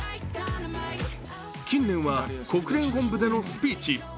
近年は国連本部でのスピーチ。